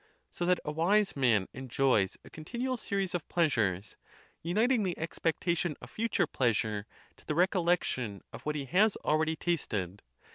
So that a wise man enjoys 4 continual series of pleasures, uniting the expectation of future pleasure to the recollection of what he has already tasted.